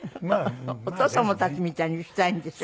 お父様たちみたいにしたいんでしょ？